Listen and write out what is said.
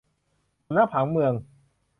สำนักผังเมือง